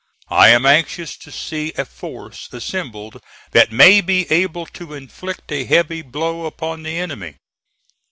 I am anxious to see a force assembled that may be able to inflict a heavy blow upon the enemy.